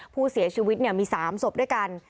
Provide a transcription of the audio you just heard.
ผู้เสียชีวิตมี๓ศพด้วยกัน